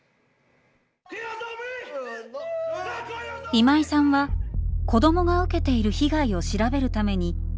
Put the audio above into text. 今井さんは子どもが受けている被害を調べるためにイラクに渡航。